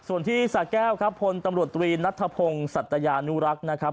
ส่วนที่สาแก้วครับพลตำรวจตรีนัทธพงศ์สัตยานุรักษ์นะครับ